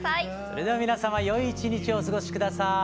それでは皆様よい一日をお過ごし下さい。